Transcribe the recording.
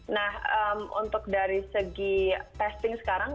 nah untuk dari segi testing sekarang